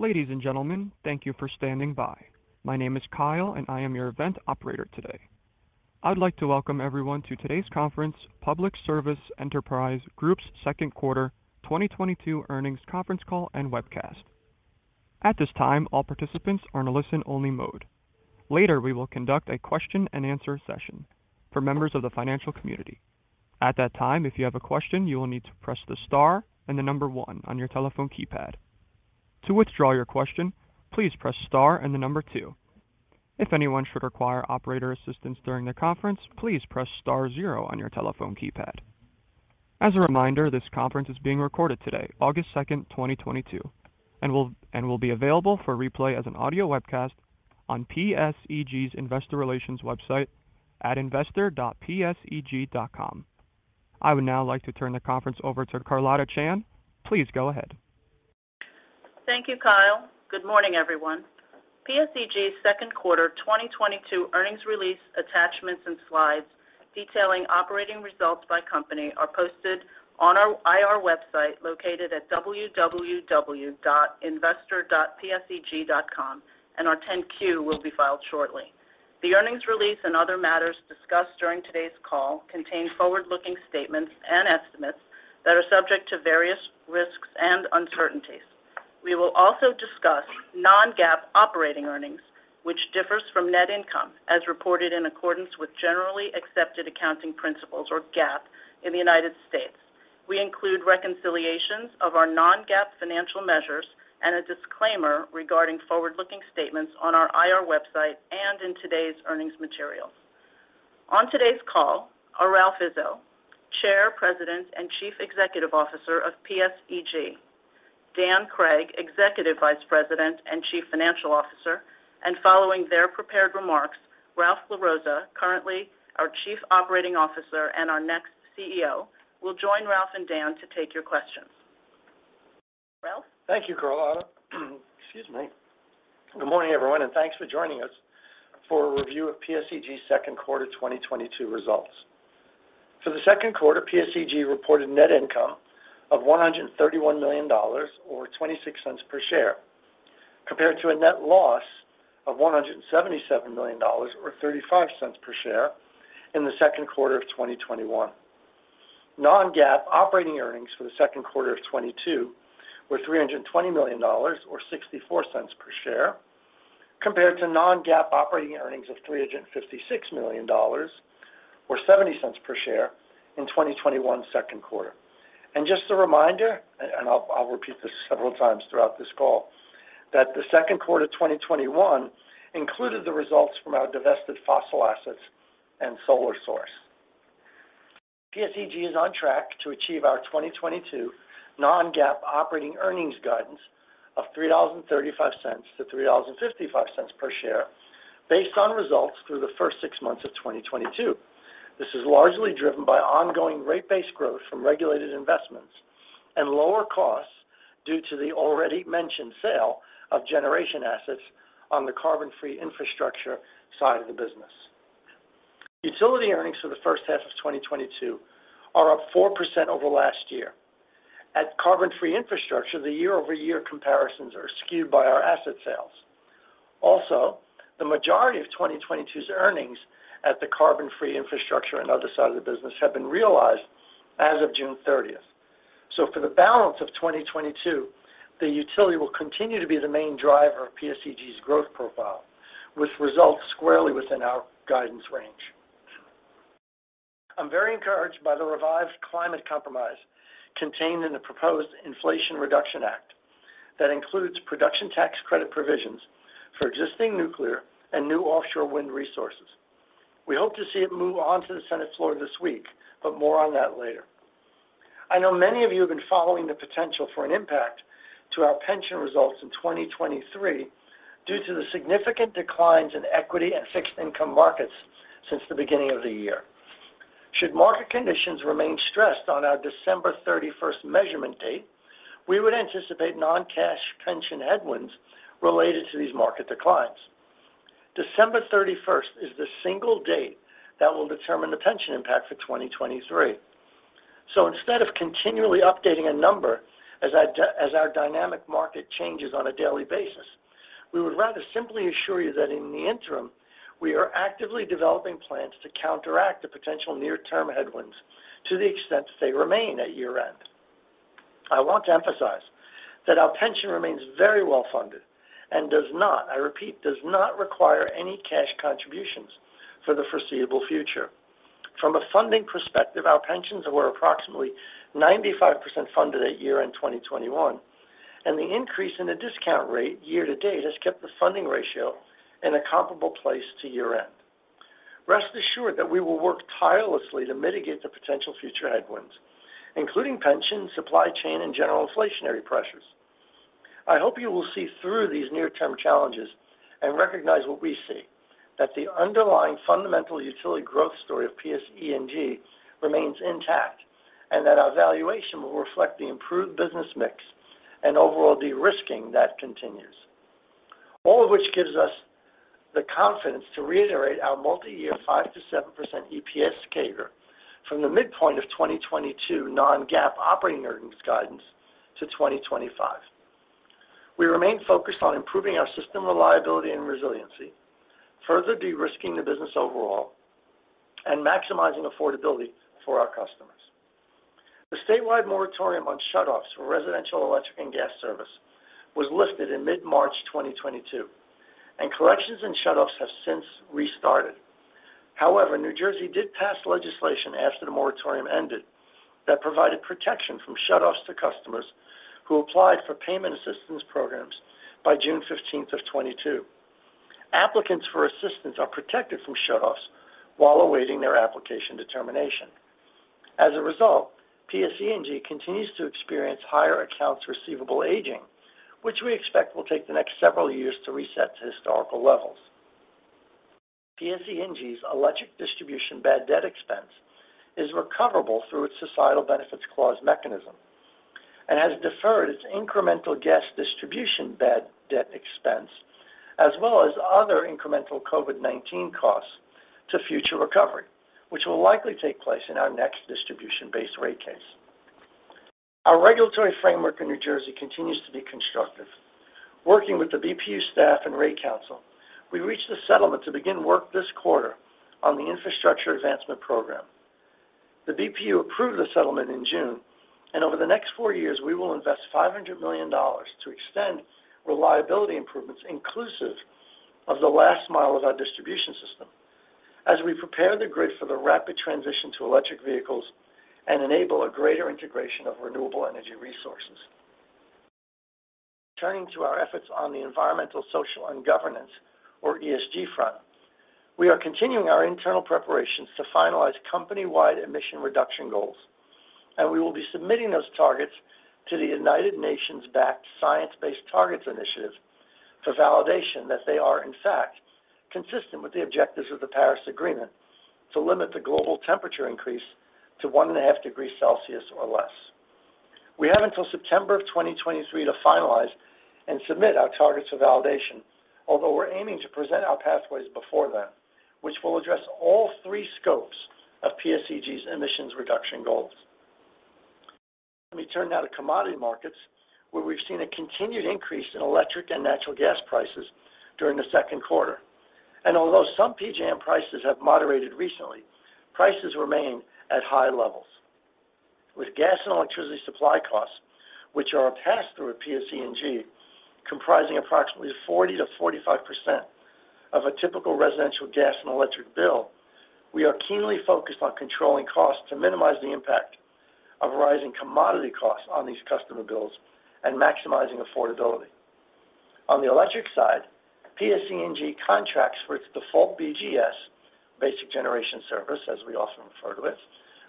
Ladies and gentlemen, thank you for standing by. My name is Kyle, and I am your event operator today. I'd like to welcome everyone to today's conference, Public Service Enterprise Group's second quarter 2022 earnings conference call and webcast. At this time, all participants are in a listen-only mode. Later, we will conduct a question-and-answer session for members of the financial community. At that time, if you have a question, you will need to press the star and the number one on your telephone keypad. To withdraw your question, please press star and the number two. If anyone should require operator assistance during the conference, please press star zero on your telephone keypad. As a reminder, this conference is being recorded today, 2nd August 2022, and will be available for replay as an audio webcast on PSEG's Investor Relations website at investor.pseg.com. I would now like to turn the conference over to Carlotta Chan. Please go ahead. Thank you, Kyle. Good morning, everyone. PSEG's second quarter 2022 earnings release attachments and slides detailing operating results by company are posted on our IR website located at www.investor.pseg.com, and our 10-Q will be filed shortly. The earnings release and other matters discussed during today's call contain forward-looking statements and estimates that are subject to various risks and uncertainties. We will also discuss non-GAAP operating earnings, which differs from net income as reported in accordance with generally accepted accounting principles or GAAP in the United States. We include reconciliations of our non-GAAP financial measures and a disclaimer regarding forward-looking statements on our IR website and in today's earnings materials. On today's call are Ralph Izzo, Chair, President, and Chief Executive Officer of PSEG. Dan Craig, Executive Vice President and Chief Financial Officer. Following their prepared remarks, Ralph LaRossa, currently our Chief Operating Officer and our next CEO, will join Ralph and Dan to take your questions. Ralph? Thank you, Carlotta. Excuse me. Good morning, everyone, and thanks for joining us for a review of PSEG's second quarter 2022 results. For the second quarter, PSEG reported net income of $131 million or $0.26 per share, compared to a net loss of $177 million or $0.35 per share in the second quarter of 2021. Non-GAAP operating earnings for the second quarter of 2022 were $320 million or $0.64 per share, compared to non-GAAP operating earnings of $356 million or $0.70 per share in 2021 second quarter. Just a reminder, I'll repeat this several times throughout this call, that the second quarter 2021 included the results from our divested fossil assets and Solar Source. PSEG is on track to achieve our 2022 non-GAAP operating earnings guidance of $3.35-3.55 per share based on results through the first six months of 2022. This is largely driven by ongoing rate-based growth from regulated investments and lower costs due to the already mentioned sale of generation assets on the carbon-free infrastructure side of the business. Utility earnings for the first half of 2022 are up 4% over last year. At carbon-free infrastructure, the year-over-year comparisons are skewed by our asset sales. Also, the majority of 2022's earnings at the carbon-free infrastructure and other side of the business have been realized as of 30th June. For the balance of 2022, the utility will continue to be the main driver of PSEG's growth profile, which results squarely within our guidance range. I'm very encouraged by the revised climate compromise contained in the proposed Inflation Reduction Act that includes production tax credit provisions for existing nuclear and new offshore wind resources. We hope to see it move on to the Senate floor this week, but more on that later. I know many of you have been following the potential for an impact to our pension results in 2023 due to the significant declines in equity and fixed income markets since the beginning of the year. Should market conditions remain stressed on our 31st December measurement date, we would anticipate non-cash pension headwinds related to these market declines. 31st December is the single date that will determine the pension impact for 2023. Instead of continually updating a number as our dynamic market changes on a daily basis, we would rather simply assure you that in the interim, we are actively developing plans to counteract the potential near-term headwinds to the extent they remain at year-end. I want to emphasize that our pension remains very well-funded and does not, I repeat, does not require any cash contributions for the foreseeable future. From a funding perspective, our pensions were approximately 95% funded at year-end 2021, and the increase in the discount rate year to date has kept the funding ratio in a comparable place to year-end. Rest assured that we will work tirelessly to mitigate the potential future headwinds, including pension, supply chain, and general inflationary pressures. I hope you will see through these near-term challenges and recognize what we see, that the underlying fundamental utility growth story of PSEG remains intact and that our valuation will reflect the improved business mix and overall de-risking that continues. All of which gives us the confidence to reiterate our multi-year 5%-7% EPS CAGR from the midpoint of 2022 non-GAAP operating earnings guidance to 2025. We remain focused on improving our system reliability and resiliency, further de-risking the business overall and maximizing affordability for our customers. The statewide moratorium on shutoffs for residential electric and gas service was lifted in mid-March 2022, and collections and shutoffs have since restarted. However, New Jersey did pass legislation after the moratorium ended that provided protection from shutoffs to customers who applied for payment assistance programs by 15th June of 2022. Applicants for assistance are protected from shutoffs while awaiting their application determination. As a result, PSEG continues to experience higher accounts receivable aging, which we expect will take the next several years to reset to historical levels. PSEG's electric distribution bad debt expense is recoverable through its Societal Benefits Clause mechanism and has deferred its incremental gas distribution bad debt expense as well as other incremental COVID-19 costs to future recovery, which will likely take place in our next distribution-based rate case. Our regulatory framework in New Jersey continues to be constructive. Working with the BPU staff and Rate Counsel, we reached a settlement to begin work this quarter on the Infrastructure Advancement Program. The BPU approved the settlement in June, and over the next four years, we will invest $500 million to extend reliability improvements inclusive of the last mile of our distribution system as we prepare the grid for the rapid transition to electric vehicles and enable a greater integration of renewable energy resources. Turning to our efforts on the environmental, social, and governance or ESG front, we are continuing our internal preparations to finalize company-wide emission reduction goals, and we will be submitting those targets to the United Nations-backed Science Based Targets initiative for validation that they are in fact consistent with the objectives of the Paris Agreement to limit the global temperature increase to 1.5 degrees Celsius or less. We have until September 2023 to finalize and submit our targets for validation. Although we're aiming to present our pathways before then, which will address all three scopes of PSEG's emissions reduction goals. Let me turn now to commodity markets, where we've seen a continued increase in electric and natural gas prices during the second quarter. Although some PJM prices have moderated recently, prices remain at high levels. With gas and electricity supply costs, which are passed through at PSEG, comprising approximately 40%-45% of a typical residential gas and electric bill, we are keenly focused on controlling costs to minimize the impact of rising commodity costs on these customer bills and maximizing affordability. On the electric side, PSEG contracts for its default BGS, Basic Generation Service, as we often refer to it,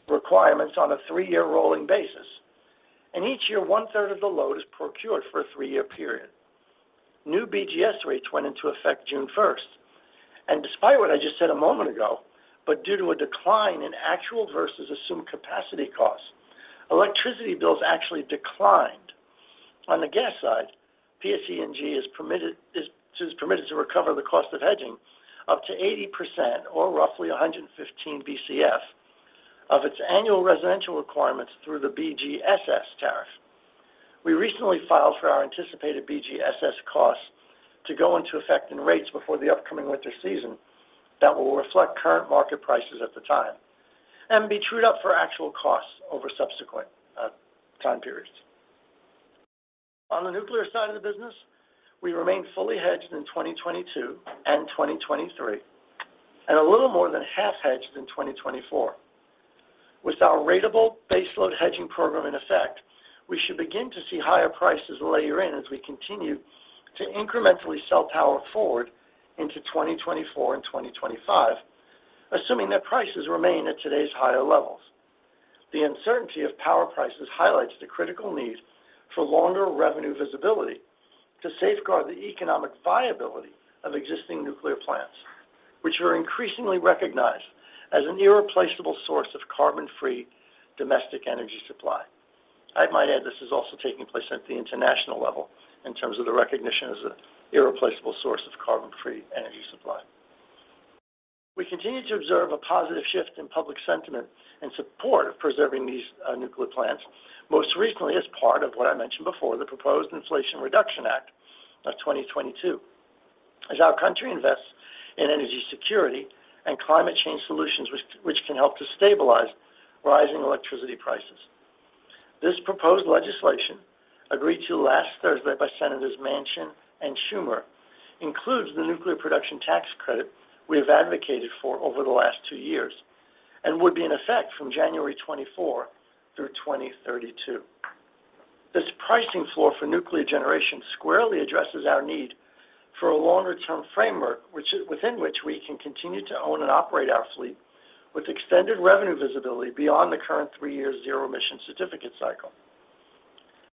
requirements on a three-year rolling basis. In each year, one-third of the load is procured for a three-year period. New BGS rates went into effect 1st June. Despite what I just said a moment ago, but due to a decline in actual versus assumed capacity costs, electricity bills actually declined. On the gas side, PSEG is permitted to recover the cost of hedging up to 80% or roughly 115 BCF of its annual residential requirements through the BGSS tariff. We recently filed for our anticipated BGSS costs to go into effect in rates before the upcoming winter season that will reflect current market prices at the time and be trued up for actual costs over subsequent time periods. On the nuclear side of the business, we remain fully hedged in 2022 and 2023 and a little more than half hedged in 2024. With our ratable baseload hedging program in effect, we should begin to see higher prices layer in as we continue to incrementally sell power forward into 2024 and 2025, assuming that prices remain at today's higher levels. The uncertainty of power prices highlights the critical need for longer revenue visibility to safeguard the economic viability of existing nuclear plants, which are increasingly recognized as an irreplaceable source of carbon-free domestic energy supply. I might add this is also taking place at the international level in terms of the recognition as an irreplaceable source of carbon-free energy supply. We continue to observe a positive shift in public sentiment and support of preserving these nuclear plants, most recently as part of what I mentioned before, the proposed Inflation Reduction Act of 2022, as our country invests in energy security and climate change solutions which can help to stabilize rising electricity prices. This proposed legislation, agreed to last Thursday by Senators Manchin and Schumer, includes the nuclear production tax credit we have advocated for over the last two years and would be in effect from January 2024 through 2032. This pricing floor for nuclear generation squarely addresses our need for a longer-term framework within which we can continue to own and operate our fleet with extended revenue visibility beyond the current three-year Zero Emission Certificate cycle.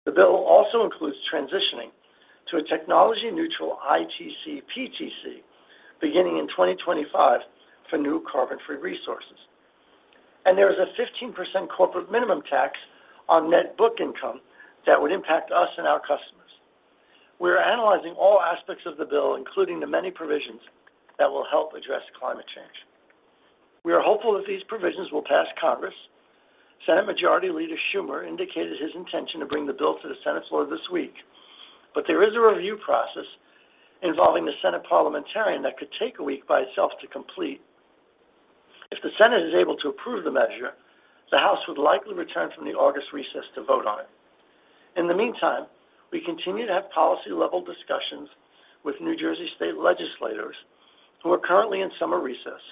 The bill also includes transitioning to a technology-neutral ITC/PTC beginning in 2025 for new carbon-free resources. There is a 15% corporate minimum tax on net book income that would impact us and our customers. We are analyzing all aspects of the bill, including the many provisions that will help address climate change. We are hopeful that these provisions will pass Congress. Senate Majority Leader Schumer indicated his intention to bring the bill to the Senate floor this week. There is a review process involving the Senate parliamentarian that could take a week by itself to complete. If the Senate is able to approve the measure, the House would likely return from the August recess to vote on it. In the meantime, we continue to have policy-level discussions with New Jersey state legislators who are currently in summer recess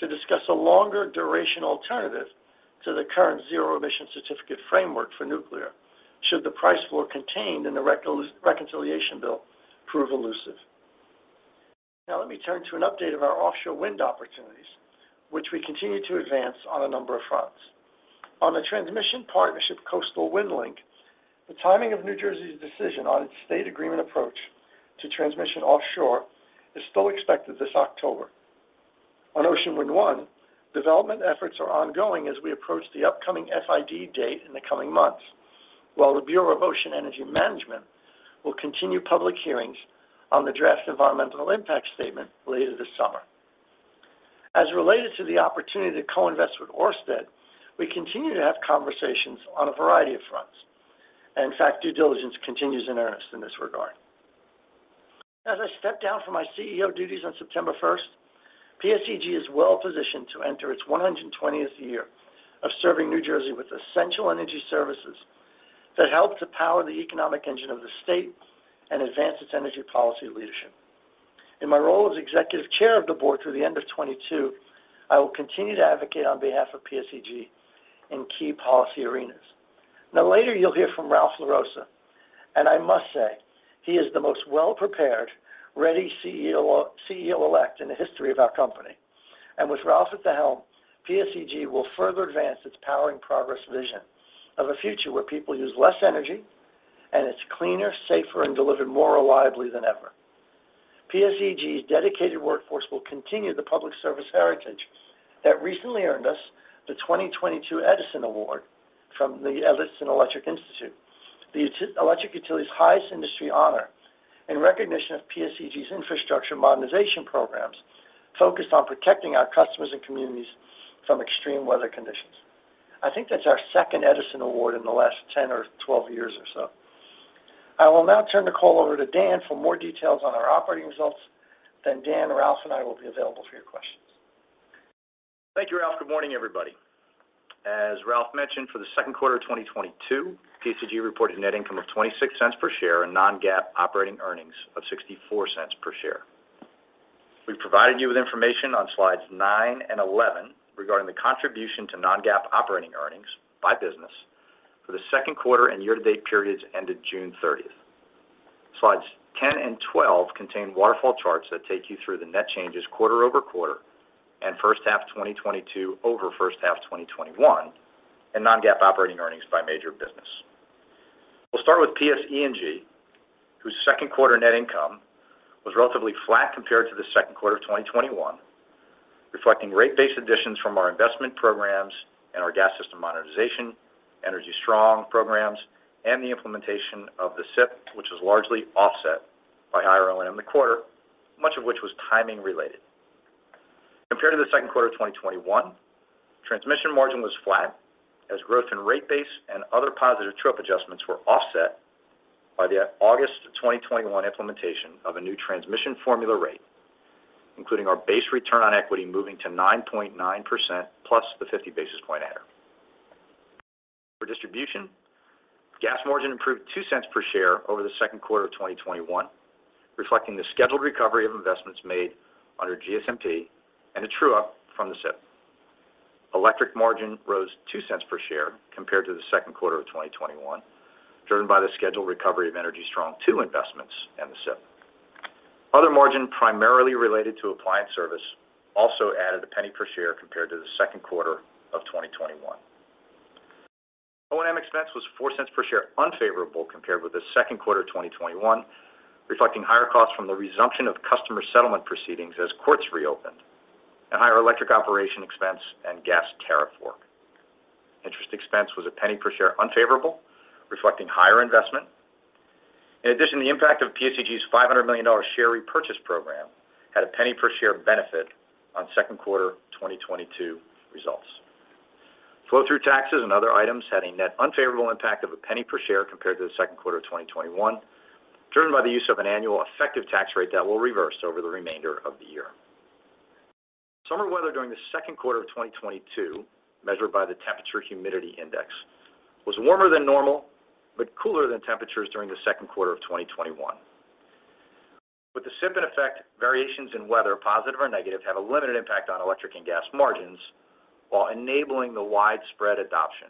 to discuss a longer duration alternative to the current Zero Emission Certificate framework for nuclear should the price floor contained in the reconciliation bill prove elusive. Now let me turn to an update of our offshore wind opportunities, which we continue to advance on a number of fronts. On the transmission partnership Coastal Wind Link, the timing of New Jersey's decision on its State Agreement Approach to transmission offshore is still expected this October. On Ocean Wind 1, development efforts are ongoing as we approach the upcoming FID date in the coming months, while the Bureau of Ocean Energy Management will continue public hearings on the draft environmental impact statement later this summer. As related to the opportunity to co-invest with Ørsted, we continue to have conversations on a variety of fronts. In fact, due diligence continues in earnest in this regard. As I step down from my CEO duties on 1st September, PSEG is well-positioned to enter its 120th year of serving New Jersey with essential energy services that help to power the economic engine of the state and advance its energy policy leadership. In my role as Executive Chair of the Board through the end of 2022, I will continue to advocate on behalf of PSEG in key policy arenas. Now, later you'll hear from Ralph A. LaRossa, and I must say he is the most well-prepared, ready CEO-elect in the history of our company. With Ralph at the helm, PSEG will further advance its Powering Progress vision of a future where people use less energy and it's cleaner, safer, and delivered more reliably than ever. PSEG's dedicated workforce will continue the public service heritage that recently earned us the 2022 Edison Award from the Edison Electric Institute, the electric utility's highest industry honor, in recognition of PSEG's infrastructure modernization programs focused on protecting our customers and communities from extreme weather conditions. I think that's our second Edison Award in the last 10 or 12 years or so. I will now turn the call over to Dan for more details on our operating results. Dan, Ralph, and I will be available for your questions. Thank you, Ralph. Good morning, everybody. As Ralph mentioned, for the second quarter of 2022, PSEG reported net income of $0.26 per share and non-GAAP operating earnings of $0.64 per share. We've provided you with information on slides nine and 11 regarding the contribution to non-GAAP operating earnings by business for the second quarter and year-to-date periods ended 30th June. Slides 10 and 12 contain waterfall charts that take you through the net changes quarter-over-quarter and first half 2022 over first half 2021 and non-GAAP operating earnings by major business. We'll start with PSE&G, whose second quarter net income was relatively flat compared to the second quarter of 2021, reflecting rate base additions from our investment programs and our gas system modernization, Energy Strong programs, and the implementation of the SIP, which was largely offset by higher O&M in the quarter, much of which was timing related. Compared to the second quarter of 2021, transmission margin was flat as growth in rate base and other positive true-up adjustments were offset by the August 2021 implementation of a new transmission formula rate, including our base return on equity moving to +9.9% the 50 basis point adder. For distribution, gas margin improved $0.02 per share over the second quarter of 2021, reflecting the scheduled recovery of investments made under GSMP and a true-up from the SIP. Electric margin rose $0.02 per share compared to the second quarter of 2021, driven by the scheduled recovery of Energy Strong II investments and the SIP. Other margin primarily related to appliance service also added $0.01 per share compared to the second quarter of 2021. O&M expense was $0.04 per share unfavorable compared with the second quarter of 2021, reflecting higher costs from the resumption of customer settlement proceedings as courts reopened, and higher electric operation expense and gas tariff work. Interest expense was $0.01 per share unfavorable, reflecting higher investment. In addition, the impact of PSEG's $500 million share repurchase program had $0.01 per share benefit on second quarter 2022 results. Flow-through taxes and other items had a net unfavorable impact of $0.01 per share compared to the second quarter of 2021, driven by the use of an annual effective tax rate that will reverse over the remainder of the year. Summer weather during the second quarter of 2022, measured by the Temperature-Humidity Index, was warmer than normal but cooler than temperatures during the second quarter of 2021. With the SIP in effect, variations in weather, positive or negative, have a limited impact on electric and gas margins while enabling the widespread adoption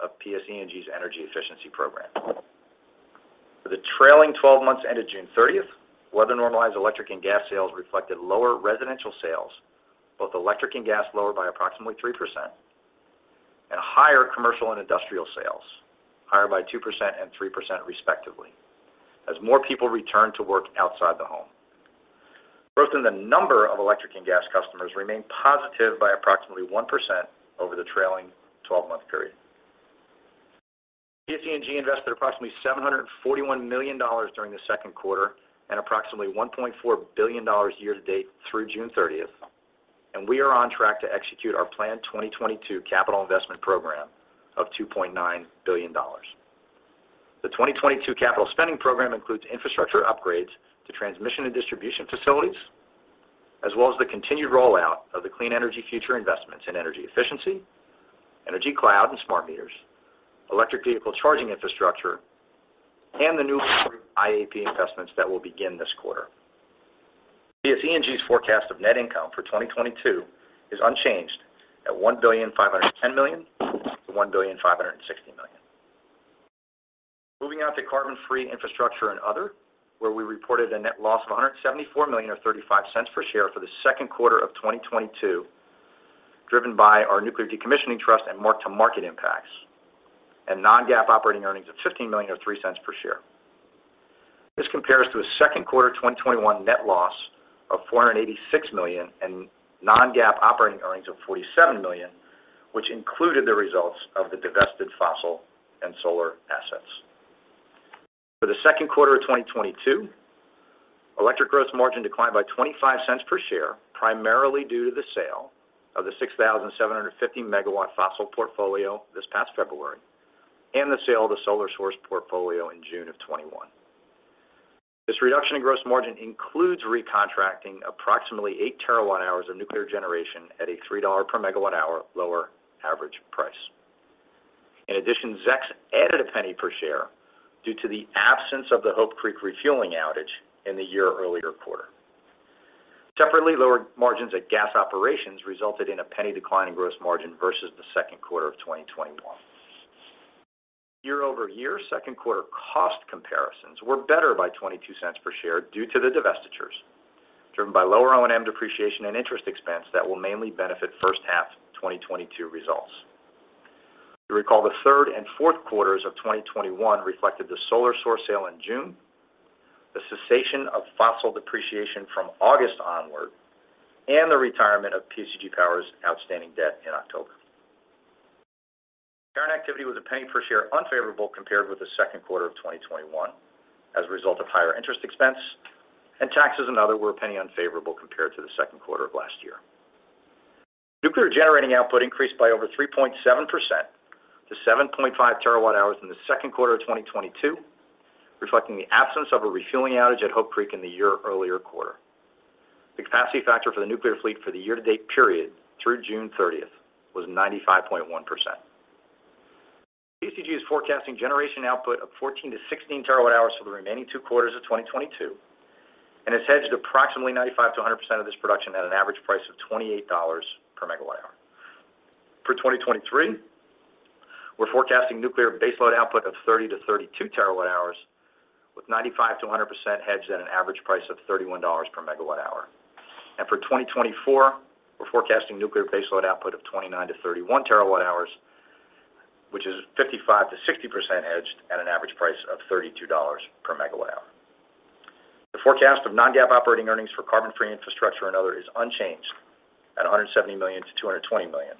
of PSE&G's energy efficiency program. For the trailing 12 months ended 30th June, weather normalized electric and gas sales reflected lower residential sales, both electric and gas lower by approximately 3%, and higher commercial and industrial sales, higher by 2% and 3% respectively, as more people return to work outside the home. Growth in the number of electric and gas customers remained positive by approximately 1% over the trailing twelve-month period. PSE&G invested approximately $741 million during the second quarter and approximately $1.4 billion year to date through 30th June. We are on track to execute our planned 2022 capital investment program of $2.9 billion. The 2022 capital spending program includes infrastructure upgrades to transmission and distribution facilities, as well as the continued rollout of the Clean Energy Future investments in energy efficiency, Energy Cloud and smart meters, electric vehicle charging infrastructure, and the new IAP investments that will begin this quarter. PSE&G's forecast of net income for 2022 is unchanged at $1.51-1.56 billion. Moving on to carbon-free infrastructure and other, where we reported a net loss of $174 million or $0.35 per share for the second quarter of 2022, driven by our nuclear decommissioning trust and mark-to-market impacts and non-GAAP operating earnings of $15 million or $0.03 per share. This compares to a second quarter 2021 net loss of $486 million and non-GAAP operating earnings of $47 million, which included the results of the divested fossil and solar assets. For the second quarter of 2022, electric gross margin declined by $0.25 per share, primarily due to the sale of the 6,750 MW fossil portfolio this past February and the sale of the Solar Source portfolio in June 2021. This reduction in gross margin includes recontracting approximately 8 TWh of nuclear generation at a $3/MWh lower average price. In addition, ZECs added $0.01 per share due to the absence of the Hope Creek refueling outage in the year earlier quarter. Separately, lower margins at gas operations resulted in a $0.01 decline in gross margin versus the second quarter of 2021. Year-over-year second quarter cost comparisons were better by $0.22 per share due to the divestitures, driven by lower O&M depreciation and interest expense that will mainly benefit first half 2022 results. You recall the third and fourth quarters of 2021 reflected the Solar Source sale in June, the cessation of fossil depreciation from August onward, and the retirement of PSEG Power's outstanding debt in October. Current activity was $0.01 per share unfavorable compared with the second quarter of 2021 as a result of higher interest expense, and taxes and other were $0.01 unfavorable compared to the second quarter of last year. Nuclear generating output increased by over 3.7% to 7.5 TWh in the second quarter of 2022, reflecting the absence of a refueling outage at Hope Creek in the year-earlier quarter. The capacity factor for the nuclear fleet for the year-to-date period through 30th June was 95.1%. PSEG is forecasting generation output of 14-16 TWh for the remaining two quarters of 2022, and has hedged approximately 95%-100% of this production at an average price of $28 per MWh. For 2023, we're forecasting nuclear base load output of 30-32 TWh with 95%-100% hedged at an average price of $31 per MWh. For 2024, we're forecasting nuclear base load output of 29-31 TWh, which is 55%-60% hedged at an average price of $32 per MWh. The forecast of non-GAAP operating earnings for carbon-free infrastructure and other is unchanged at $170-220 million.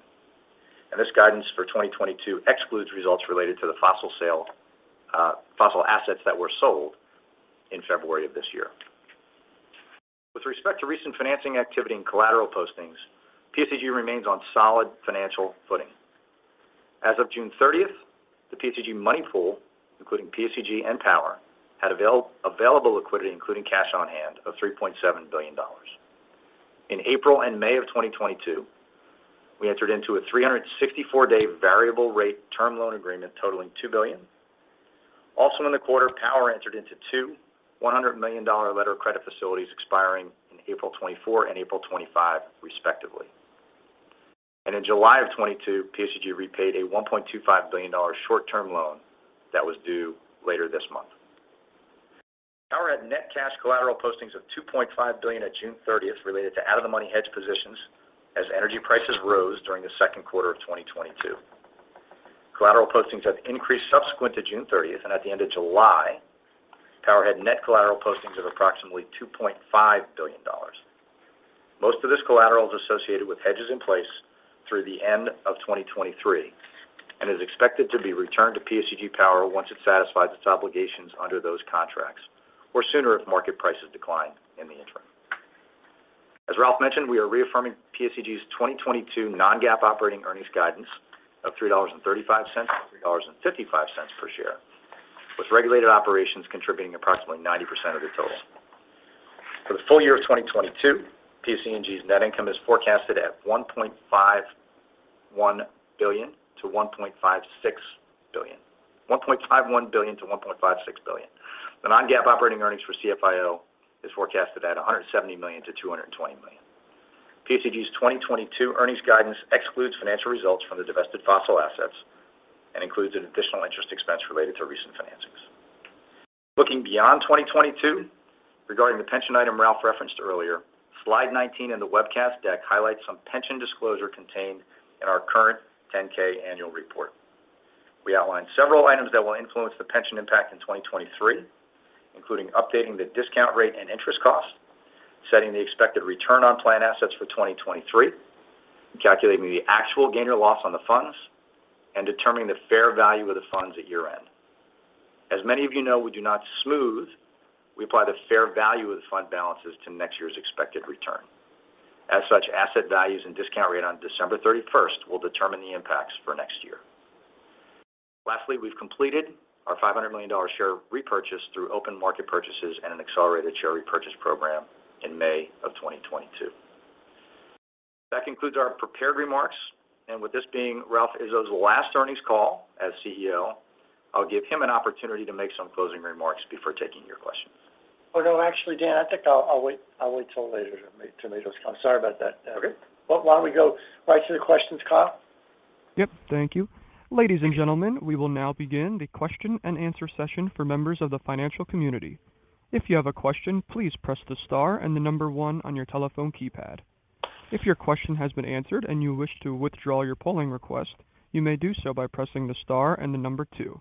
This guidance for 2022 excludes results related to the fossil sale, fossil assets that were sold in February of this year. With respect to recent financing activity and collateral postings, PSEG remains on solid financial footing. As of 30th June, the PSEG money pool, including PSEG and Power, had available liquidity, including cash on hand, of $3.7 billion. In April and May of 2022, we entered into a 364-day variable rate term loan agreement totaling $2 billion. Also in the quarter, Power entered into two $100 million letter of credit facilities expiring in April 2024 and April 2025, respectively. In July of 2022, PSEG repaid a $1.25 billion short-term loan that was due later this month. Power had net cash collateral postings of $2.5 billion at 30th June related to out-of-the-money hedge positions as energy prices rose during the second quarter of 2022. Collateral postings have increased subsequent to 30th June, and at the end of July, PSEG Power had net collateral postings of approximately $2.5 billion. Most of this collateral is associated with hedges in place through the end of 2023 and is expected to be returned to PSEG Power once it satisfies its obligations under those contracts, or sooner if market prices decline in the interim. As Ralph mentioned, we are reaffirming PSEG's 2022 non-GAAP operating earnings guidance of $3.35-3.55 per share, with regulated operations contributing approximately 90% of the total. For the full year of 2022, PSE&G's net income is forecasted at $1.51-1.56 billion. The non-GAAP operating earnings for CFI&O is forecasted at $170-220 million. PSEG's 2022 earnings guidance excludes financial results from the divested fossil assets and includes an additional interest expense related to recent financings. Looking beyond 2022, regarding the pension item Ralph referenced earlier, slide 19 in the webcast deck highlights some pension disclosure contained in our current 10-K annual report. We outlined several items that will influence the pension impact in 2023, including updating the discount rate and interest costs, setting the expected return on plan assets for 2023, calculating the actual gain or loss on the funds, and determining the fair value of the funds at year-end. As many of you know, we do not smooth. We apply the fair value of the fund balances to next year's expected return. As such, asset values and discount rate on 31st December will determine the impacts for next year. Lastly, we've completed our $500 million share repurchase through open market purchases and an accelerated share repurchase program in May 2022. That concludes our prepared remarks, and with this being Ralph Izzo's last earnings call as CEO, I'll give him an opportunity to make some closing remarks before taking your questions. Oh, no. Actually, Dan, I think I'll wait till later to make those comments. Sorry about that, Dan. Okay. Why don't we go right to the questions, Kyle? Yep. Thank you. Ladies and gentlemen, we will now begin the question and answer session for members of the financial community. If you have a question, please press the star and the number one on your telephone keypad. If your question has been answered and you wish to withdraw your polling request, you may do so by pressing the star and the number two.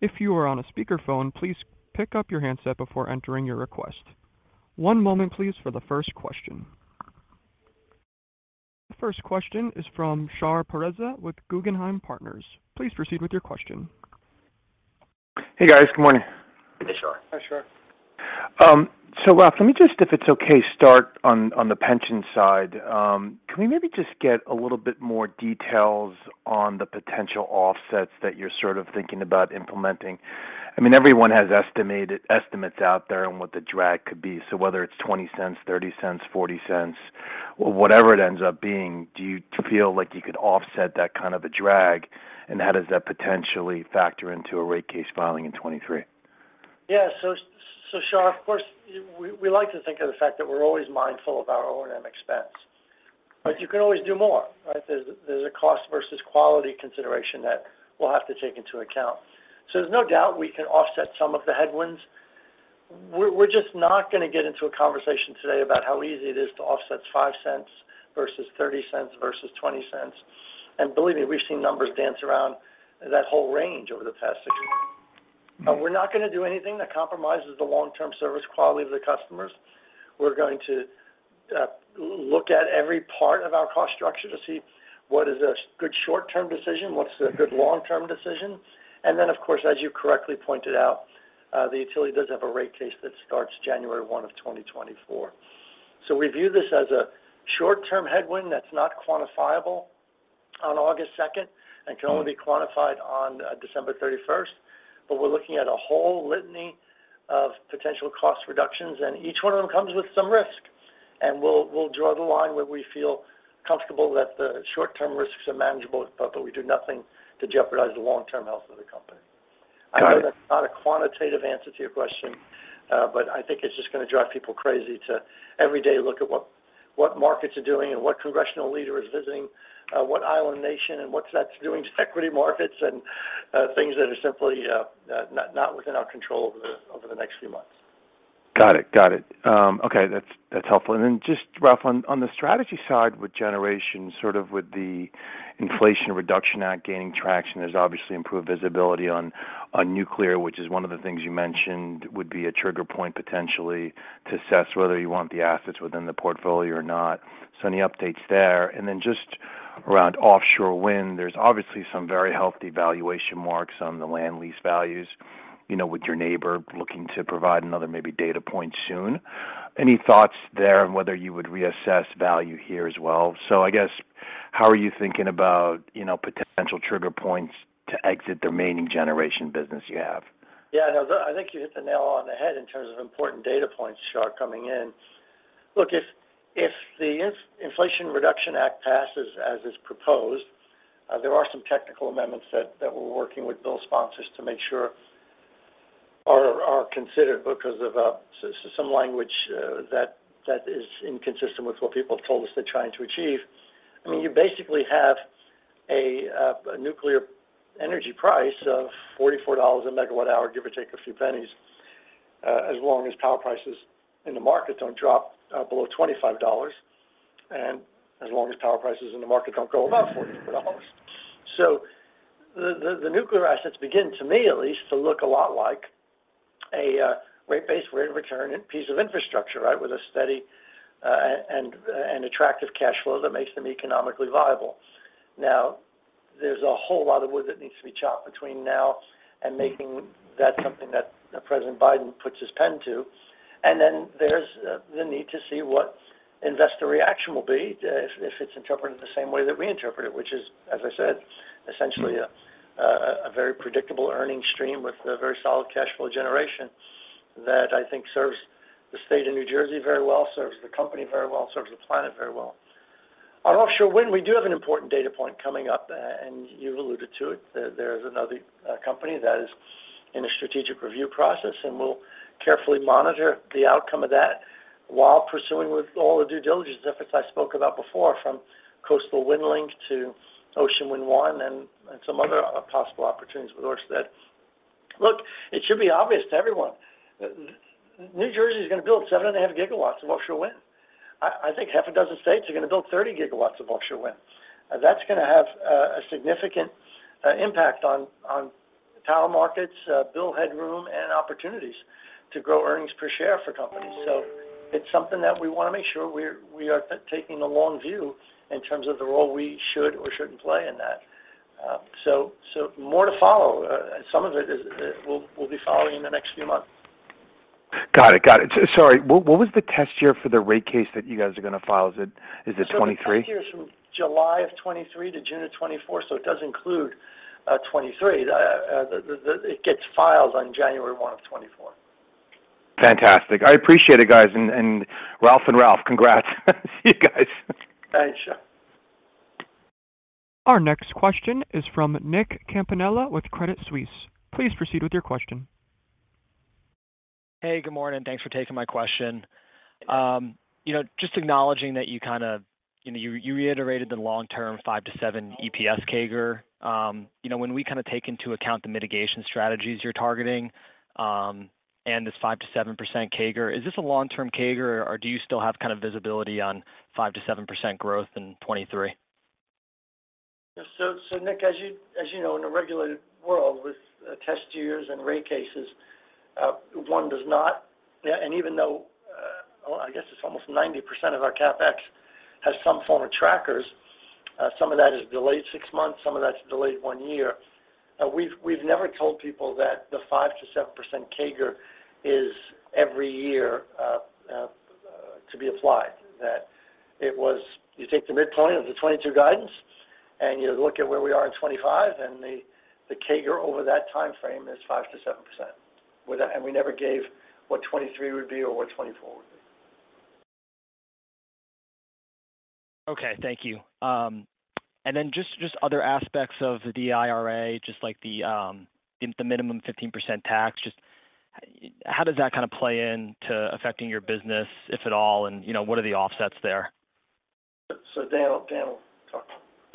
If you are on a speakerphone, please pick up your handset before entering your request. One moment please for the first question. The first question is from Shar Pourreza with Guggenheim Partners. Please proceed with your question. Hey, guys. Good morning. Hey, Shar. Hi, Shar. Ralph, let me just, if it's okay, start on the pension side. Can we maybe just get a little bit more details on the potential offsets that you're sort of thinking about implementing? I mean, everyone has estimates out there on what the drag could be. Whether it's $0.20, $0.30, $0.40 or whatever it ends up being, do you feel like you could offset that kind of a drag? And how does that potentially factor into a rate case filing in 2023? Yeah. Shar, of course, we like to think of the fact that we're always mindful of our O&M expense. You can always do more, right? There's a cost versus quality consideration that we'll have to take into account. There's no doubt we can offset some of the headwinds. We're just not gonna get into a conversation today about how easy it is to offset $0.05 versus $0.30 versus $0.20. Believe me, we've seen numbers dance around that whole range over the past six months. We're not gonna do anything that compromises the long-term service quality of the customers. We're going to look at every part of our cost structure to see what is a good short-term decision, what's a good long-term decision. Of course, as you correctly pointed out, the utility does have a rate case that starts 1 January, 2024. We view this as a short-term headwind that's not quantifiable on 2nd August and can only be quantified on 31st December. We're looking at a whole litany of potential cost reductions, and each one of them comes with some risk. We'll draw the line where we feel comfortable that the short-term risks are manageable, but we do nothing to jeopardize the long-term health of the company. Got it. I know that's not a quantitative answer to your question, but I think it's just gonna drive people crazy to every day look at what markets are doing and what congressional leader is visiting what island nation and what's that doing to equity markets and things that are simply not within our control over the next few months. Got it. Okay. That's helpful. Just, Ralph, on the strategy side with generation, sort of with the Inflation Reduction Act gaining traction, there's obviously improved visibility on nuclear, which is one of the things you mentioned would be a trigger point potentially to assess whether you want the assets within the portfolio or not. Any updates there? Just around offshore wind, there's obviously some very healthy valuation marks on the land lease values, you know, with your neighbor looking to provide another maybe data point soon. Any thoughts there on whether you would reassess value here as well? I guess how are you thinking about, you know, potential trigger points to exit the remaining generation business you have? Yeah. No, I think you hit the nail on the head in terms of important data points, Shar, coming in. Look, if the Inflation Reduction Act passes as is proposed, there are some technical amendments that we're working with bill sponsors to make sure are considered because of some language that is inconsistent with what people have told us they're trying to achieve. I mean, you basically have a nuclear energy price of $44 a megawatt hour, give or take a few pennies, as long as power prices in the market don't drop below $25, and as long as power prices in the market don't go above $44. So the nuclear assets begin, to me at least, to look a lot like a rate-based rate of return piece of infrastructure, right? With a steady and attractive cash flow that makes them economically viable. Now, there's a whole lot of wood that needs to be chopped between now and making that something that President Biden puts his pen to. Then there's the need to see what investor reaction will be if it's interpreted the same way that we interpret it, which is, as I said, essentially a very predictable earnings stream with a very solid cash flow generation that I think serves the state of New Jersey very well, serves the company very well, serves the planet very well. On offshore wind, we do have an important data point coming up, and you've alluded to it. There's another company that is in a strategic review process, and we'll carefully monitor the outcome of that while pursuing with all the due diligence efforts I spoke about before, from Coastal Wind Link to Ocean Wind 1 and some other possible opportunities with Ørsted. Look, it should be obvious to everyone. New Jersey is going to build 7.5 GW of offshore wind. I think six states are going to build 30 GW of offshore wind. That's going to have a significant impact on power markets, bill headroom, and opportunities to grow earnings per share for companies. It's something that we want to make sure we are taking the long view in terms of the role we should or shouldn't play in that. More to follow. Some of it is we'll be following in the next few months. Got it. Sorry, what was the test year for the rate case that you guys are going to file? Is it 2023? The test year is from July of 2023 to June of 2024, so it does include 2023. It gets filed on 1 January 2024. Fantastic. I appreciate it, guys. Ralph and Ralph, congrats. See you guys. Thanks, Shar. Our next question is from Nicholas Campanella with Credit Suisse. Please proceed with your question. Hey, good morning. Thanks for taking my question. You know, just acknowledging that you kind of, you know, reiterated the long-term 5%-7% EPS CAGR. You know, when we kind of take into account the mitigation strategies you're targeting, and this 5%-7% CAGR, is this a long-term CAGR or do you still have kind of visibility on 5%-7% growth in 2023? Nick, as you know, in a regulated world with test years and rate cases, one does not. Even though I guess it's almost 90% of our CapEx has some form of trackers, some of that is delayed six months, some of that's delayed one year. We've never told people that the 5%-7% CAGR is every year to be applied. It was, you take the mid-20s of the 2022 guidance, and you look at where we are in 2025, and the CAGR over that timeframe is 5%-7%. With that, we never gave what 2023 would be or what 2024 would be. Okay, thank you. Just other aspects of the IRA, just like the minimum 15% tax. Just how does that kind of play in to affecting your business, if at all? You know, what are the offsets there? Dan will talk.